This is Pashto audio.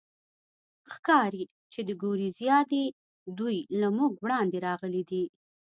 ښکاري، چې د ګوریزیا دي، دوی له موږ وړاندې راغلي دي.